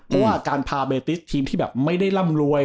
เพราะว่าการพาเบติสทีมที่แบบไม่ได้ร่ำรวย